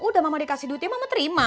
udah mama dikasih duitnya mama terima